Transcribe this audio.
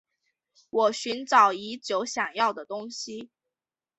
我寻找已久想要的东西